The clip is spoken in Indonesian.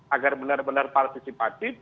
agar benar benar partisipatif